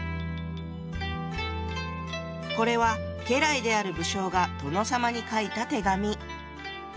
これは家来である武将が殿様に書いた手紙。